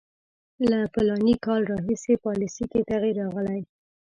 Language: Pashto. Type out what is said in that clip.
له فلاني کال راهیسې پالیسي کې تغییر راغلی.